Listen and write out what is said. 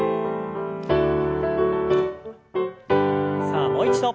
さあもう一度。